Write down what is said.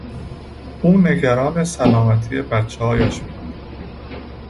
او نگران سلامتی بچههایش بود.